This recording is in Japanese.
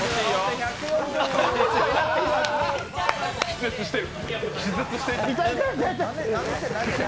気絶してる。